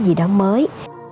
điều đó mới